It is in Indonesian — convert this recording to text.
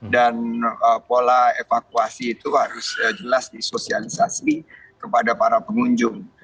dan pola evakuasi itu harus jelas disosialisasi kepada para pengunjung